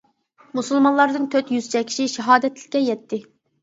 مۇسۇلمانلاردىن تۆت يۈزچە كىشى شاھادەتلىككە يەتتى.